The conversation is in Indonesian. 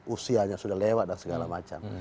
usianya sudah lewat dan segala macam